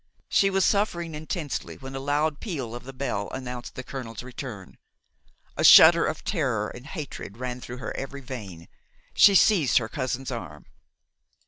She was suffering intensely when a loud peal of the bell announced the colonel's return. A shudder of terror and hatred ran through her every vein. She seized her cousin's arm.